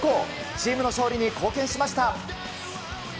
チームの勝利に貢献しました。